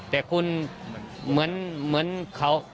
แต่คุณเหมือนเขา